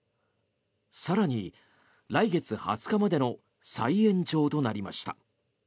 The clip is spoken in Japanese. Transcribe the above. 更に、来月２０日までの再延長となりました。